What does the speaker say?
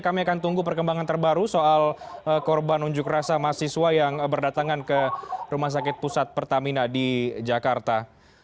kami akan tunggu perkembangan terbaru soal korban unjuk rasa mahasiswa yang berdatangan ke rumah sakit pusat pertamina di jakarta